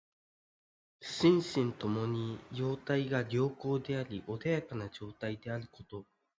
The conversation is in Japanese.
心身ともに様態が良好であり穏やかな状態であること。